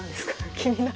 気になる。